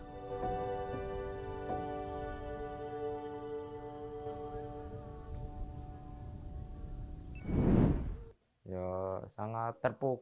ketika perjalanan kota sebelumnya